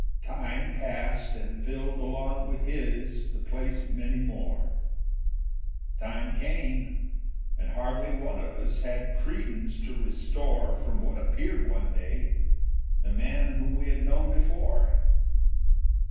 Time passed, and filled along with his The place of many more; Time came, and hardly one of us Had credence to restore, From what appeared one day, the man Whom we had known before.